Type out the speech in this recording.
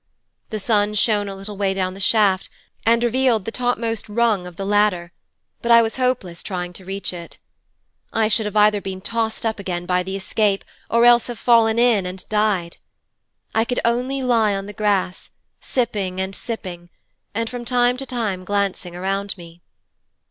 The sun shone a little way down the shaft, and revealed the topmost rung of the ladder, but it was hopeless trying to reach it. I should either have been tossed up again by the escape, or else have fallen in, and died. I could only lie on the grass, sipping and sipping, and from time to time glancing around me.